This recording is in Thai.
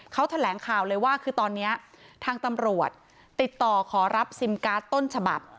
เขาแถลงข่าวเลยว่าคือตอนนี้ทางตำรวจติดต่อขอรับซิมการ์ดต้นฉบับ